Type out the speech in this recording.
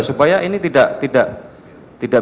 supaya ini tidak